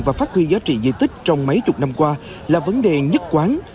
và phát huy giá trị di tích trong mấy chục năm qua là vấn đề nhất quán